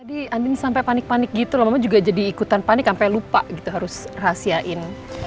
tadi andin sampai panik panik gitu loh mama juga jadi ikutan panik sampai lupa gitu harus rahasiain